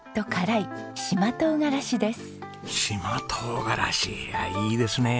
いやいいですね。